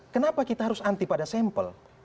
kenapa kita harus anti pada sampel